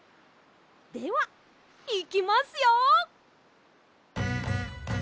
ではいきますよ。